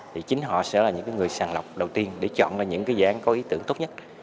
thì chính họ sẽ là những người sàng lọc đầu tiên để chọn những dạng có ý tưởng tốt nhất